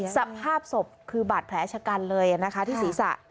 สภาพศพคือบัตรแผลชกันเลยที่ศีรษะ